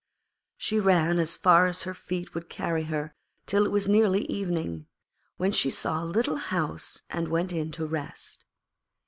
She ran as far as her feet could carry her till it was nearly evening, when she saw a little house and went in to rest.